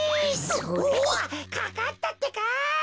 おわっかかったってか。